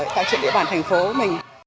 tại trị địa bàn thành phố của mình